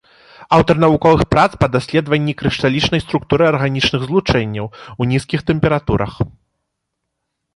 Аўтар навуковых прац па даследаванні крышталічнай структуры арганічных злучэнняў у нізкіх тэмпературах.